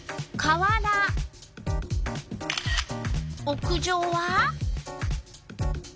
屋上は？